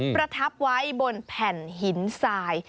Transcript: ประทับไว้บนแผ่นหินทราย